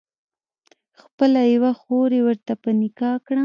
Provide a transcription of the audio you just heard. خپله یوه خور یې ورته په نکاح کړه.